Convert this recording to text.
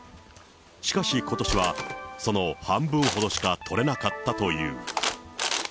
しかしことしは、その半分ほどしか取れなかったという。